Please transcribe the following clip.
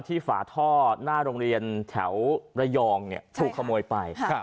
ที่ฝาท่อหน้าโรงเรียนแถวรยองเนี้ยใช่ค่ะถูกขโมยไปค่ะ